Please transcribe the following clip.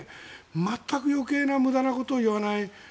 全く余計な無駄なことを言わない。